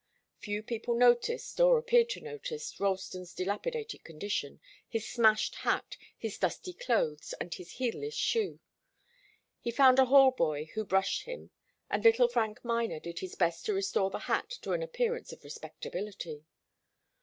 Few people noticed, or appeared to notice, Ralston's dilapidated condition, his smashed hat, his dusty clothes and his heelless shoe. He found a hall boy who brushed him, and little Frank Miner did his best to restore the hat to an appearance of respectability.